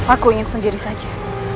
aku ingin sendiri saja